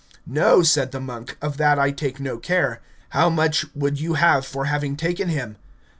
No, said the monk, of that I take no care. How much would you have for having taken him?